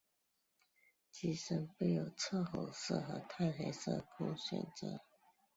机身备有赤红色及碳黑色供选择。